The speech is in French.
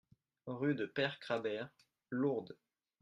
Rue de Peyre Crabère, Lourdes